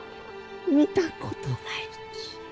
見たことないき。